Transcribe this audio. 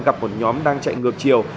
gặp một nhóm đang chạy ngược chiều